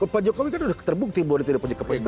pak jokowi kan sudah terbukti bahwa dia tidak punya kapasitas